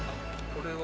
これは？